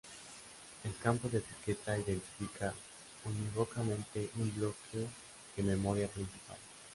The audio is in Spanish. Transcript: El campo de etiqueta identifica unívocamente un bloque de memoria principal.